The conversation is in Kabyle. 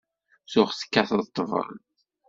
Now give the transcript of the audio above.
Tuɣ tekkateḍ ṭṭbel.